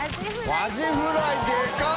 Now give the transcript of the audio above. アジフライでかい！